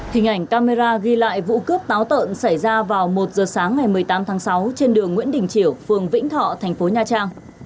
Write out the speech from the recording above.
hình ảnh camera ghi lại vụ cướp táo tợn xảy ra vào một giờ sáng ngày một mươi tám tháng sáu trên đường nguyễn đình triều phường vĩnh thọ thành phố nha trang